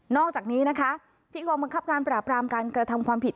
อกจากนี้นะคะที่กองบังคับการปราบรามการกระทำความผิด